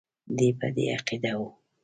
دی په دې عقیده وو.